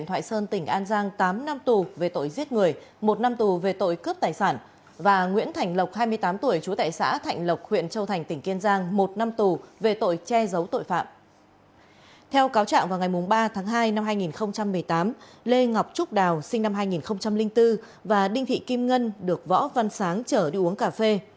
theo cáo trạng vào ngày ba tháng hai năm hai nghìn một mươi tám lê ngọc trúc đào sinh năm hai nghìn bốn và đinh thị kim ngân được võ văn sáng chở đi uống cà phê